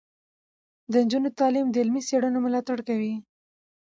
د نجونو تعلیم د علمي څیړنو ملاتړ کوي.